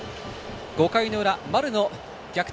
５回の裏、丸の逆転